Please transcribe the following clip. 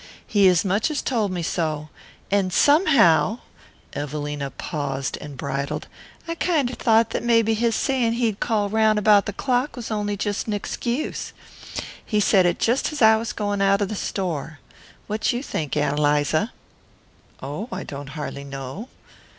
He as much as told me so, and somehow" Evelina paused and bridled "I kinder thought that maybe his saying he'd call round about the clock was on'y just an excuse. He said it just as I was going out of the store. What you think, Ann Eliza?" "Oh, I don't har'ly know."